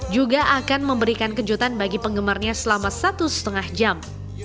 juga akan memberikan kejutan bagi penggemarnya selama satu lima jam